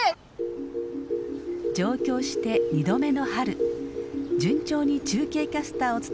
上京して２度目の春順調に中継キャスターを務めるモネ。